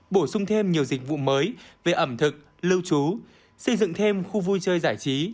bổ sung thêm nhiều dịch vụ mới về ẩm thực lưu trú xây dựng thêm khu vui chơi giải trí